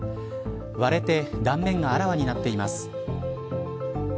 割れて断面があらわになっています。